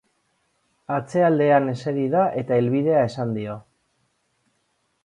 Atzealdean eseri da eta helbidea esan dio.